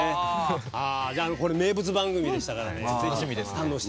名物番組でしたからね。